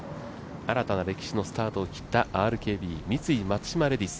新たな歴史のスタートを切ったＲＫＢ×三井松島レディス。